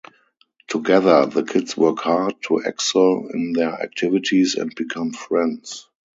Together, the kids work hard to excel in their activities and become friends.